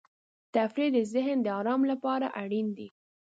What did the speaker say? تفریح د ذهن د آرام لپاره اړین دی.